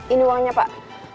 ini uangnya pak